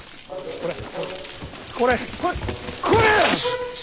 これこれ！